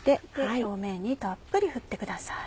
表面にたっぷり振ってください。